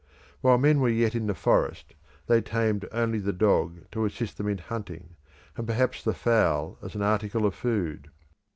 While men were yet in the forest they tamed only the dog to assist them in hunting, and perhaps the fowl as an article of food.